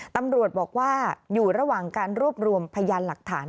ตำรวจบอกว่าอยู่ระหว่างการรวบรวมพยานหลักฐาน